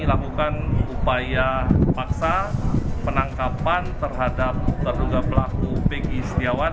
lakukan upaya paksa penangkapan terhadap terduga pelaku begi setiawan